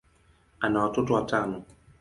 ana watoto watano.